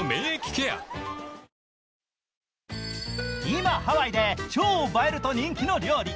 今ハワイで超映えると人気の料理。